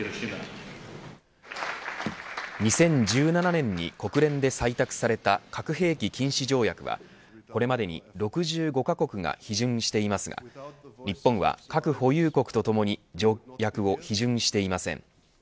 ２０１７年に国連で採択された核兵器禁止条約はこれまでに６５カ国が批准していますが日本は核保有国とともに条約を批准していません。